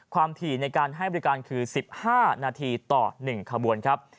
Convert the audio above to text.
ถี่ในการให้บริการคือ๑๕นาทีต่อ๑ขบวนครับ